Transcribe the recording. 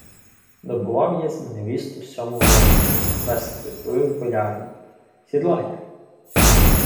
— Добував єсмь невісту сьому лежневі! — весело відповів болярин. — Сідлайте!